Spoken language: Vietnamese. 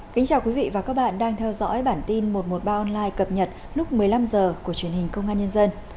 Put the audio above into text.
kính chào quý vị và các bạn đang theo dõi bản tin một trăm một mươi ba online cập nhật lúc một mươi năm h của truyền hình công an nhân dân